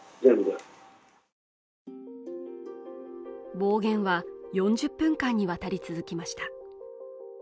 暴言は４０分間にわたり続きました。